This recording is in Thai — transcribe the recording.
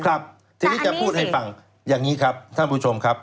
ครับทีนี้จะพูดให้ฟังอย่างนี้ครับท่านผู้ชมครับ